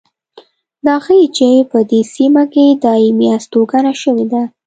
دا ښيي چې په دې سیمه کې دایمي هستوګنه شوې ده